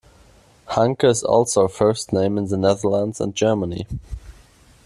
Hanke is also a first name in the Netherlands and Germany.